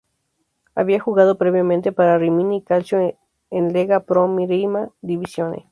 Había jugado previamente para Rimini Calcio en Lega Pro Prima Divisione.